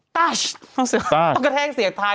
ตาช์ตาชทต้องแทงเสียงภายนะ